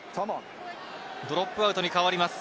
ドロップアウトに変わります。